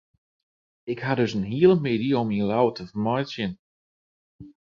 Ik ha dus in hiele middei om my yn Ljouwert te fermeitsjen.